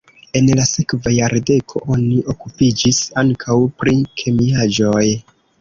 En la sekva jardeko oni okupiĝis ankaŭ pri kemiaĵoj.